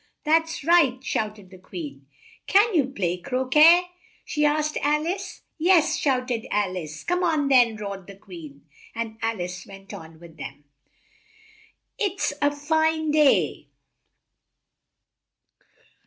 "That's right!" shouted the Queen. "Can you play cro quet?" she asked Al ice. "Yes," shouted Al ice. "Come on then!" roared the Queen, and Al ice went on with them. "It's it's a fine day!"